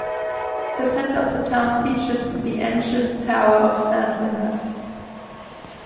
The centre of the town features the ancient tower of Saint Leonard.